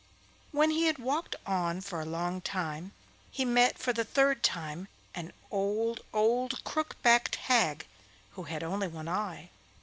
When he had walked on for a long time, he met for the third time an old, old crook backed hag, who had only one eye.